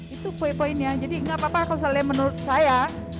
itu poin poinnya jadi nggak apa apa kalau seandainya menurut saya